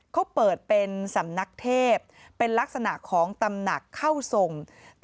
เขาเปิดเป็นสำนักเทพเป็นลักษณะของตำหนักเข้าทรง